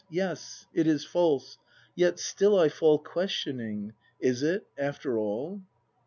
Yes, it is false: yet still I fall Questioning: Is it, after all?